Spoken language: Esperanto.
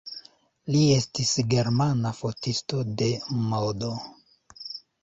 Li estis germana fotisto de modo.